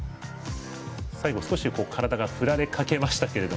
最後、体が振られかけましたが。